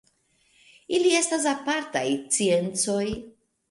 Ili estas apartaj sciencoj.